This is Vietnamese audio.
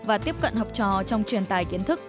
và tiếp cận học trò trong truyền tài kiến thức